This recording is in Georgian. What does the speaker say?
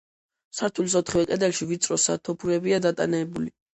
სართულის ოთხივე კედელში ვიწრო სათოფურებია დატანებული.